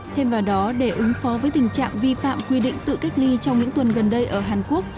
thêm vào đó để ứng phó với tình trạng vi phạm quy định tự cách ly trong những tuần gần đây ở hàn quốc